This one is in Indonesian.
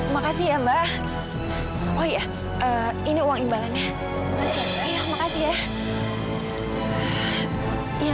makasih ya mbah oh iya ini uang imbalannya makasih ya ya ampun cantik akhirnya kamu bisa sama